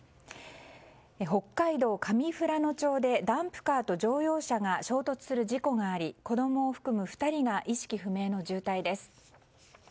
北海道上富良野町でダンプカーと乗用車が衝突する事故があり子供を含む２人が意識不明の重体です。